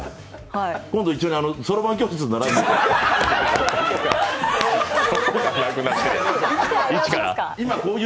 今度一緒にそろばん教室習いに行こう。